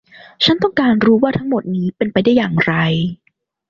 ฉันต้องการรู้ว่าทั้งหมดนี้เป็นไปได้อย่างไร